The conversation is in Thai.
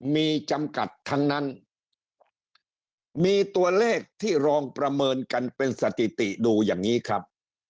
มีจำกัดทั้งนั้นมีตัวเลขที่ลองประเมินกันเป็นสถิติดูอย่างนี้ครับ